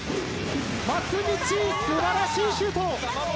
松道素晴らしいシュート。